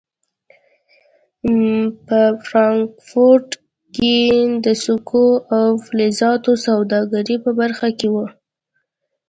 په فرانکفورټ کې د سکو او فلزاتو سوداګرۍ په برخه کې و.